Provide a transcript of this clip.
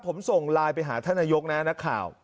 ผมส่งไลน์ไปหาท่านนายกนะนักข่าว